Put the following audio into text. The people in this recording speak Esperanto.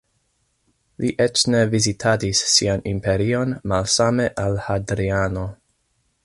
Li eĉ ne vizitadis sian imperion malsame al Hadriano.